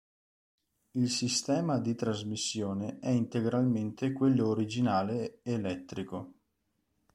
Il sistema di trasmissione è integralmente quello originale elettrico.